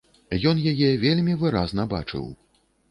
Ён яе вельмі выразна бачыў.